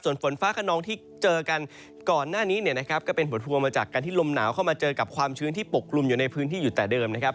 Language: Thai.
ส่วนฝนฟ้าขนองที่เจอกันก่อนหน้านี้เนี่ยนะครับก็เป็นผลพวงมาจากการที่ลมหนาวเข้ามาเจอกับความชื้นที่ปกลุ่มอยู่ในพื้นที่อยู่แต่เดิมนะครับ